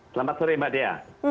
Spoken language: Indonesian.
selamat sore mbak dea